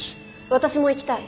私も行きたい。